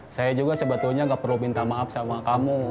saya juga sebetulnya gak perlu minta maaf sama kamu